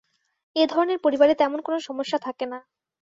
এ-ধরনের পরিবারে তেমন কোনো সমস্যা থাকে না।